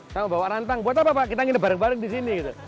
sama bawa rantang buat apa pak kita ingin bareng bareng di sini